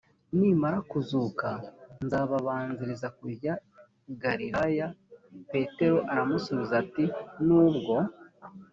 nimara kuzuka nzababanziriza kujya i galilaya petero aramusubiza ati nubwo